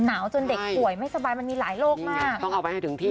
จนเด็กป่วยไม่สบายมันมีหลายโรคมากต้องเอาไปให้ถึงที่